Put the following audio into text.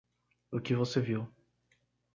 O que você viu